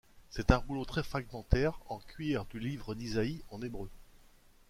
C'est un rouleau très fragmentaire en cuir du Livre d'Isaïe en hébreu.